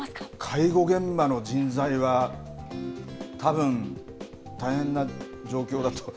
介護現場の人材は、たぶん、大変な状況だと。